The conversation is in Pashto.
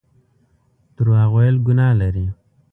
درواغ ويل ګناه لري